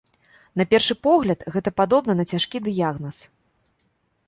На першы погляд, гэта падобна на цяжкі дыягназ.